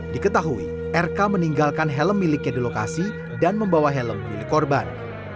diketahui rk meninggalkan helm miliknya di lokasi dan membawa helm milik korban